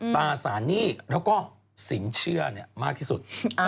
ตราสารหนี้แล้วก็ศีลเชื่อเนี่ยมากที่สุด